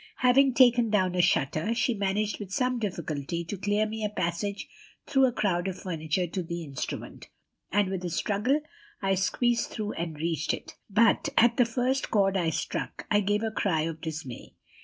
Having taken down a shutter, she managed with some difficulty to clear me a passage through a crowd of furniture to the instrument, and with a struggle I squeezed through and reached it; but at the first chord I struck, I gave a cry of dismay.